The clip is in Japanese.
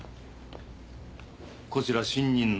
こちら新任の。